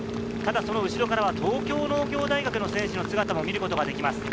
その後ろからは東京農業大学の選手の姿も見ることができます。